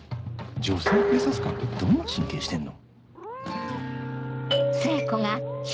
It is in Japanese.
女性警察官ってどんな神経してんの？